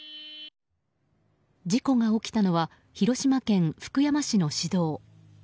事故が起きたのは広島県福山市の市道。